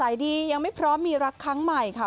ดียังไม่พร้อมมีรักครั้งใหม่ค่ะ